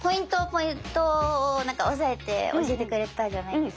ポイントを押さえて教えてくれてたじゃないですか。